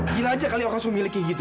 gila aja kali orang suruh miliki gitu